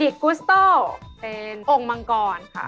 ดิกกุสโต้เป็นองค์มังกร